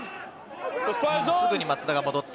すぐに松田が戻った。